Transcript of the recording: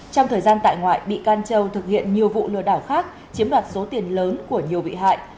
trong thời gian tại ngoại bị can châu thực hiện nhiều vụ lừa đảo khác chiếm đoạt số tiền lớn của nhiều bị hại